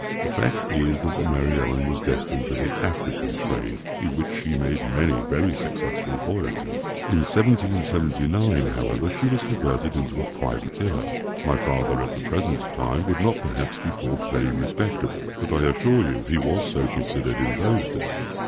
The fact is that the Mary Ellen was destined for the African trade, in which she made many very successful voyages. In 1779, however, she was converted into a privateer. My father, at the present time, would not, perhaps, be thought very respectable; but I assure you he was so considered in those days.